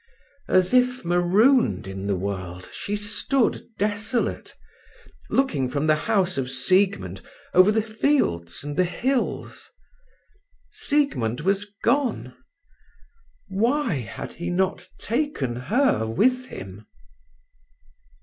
As if marooned in the world, she stood desolate, looking from the house of Siegmund over the fields and the hills. Siegmund was gone; why had he not taken her with him?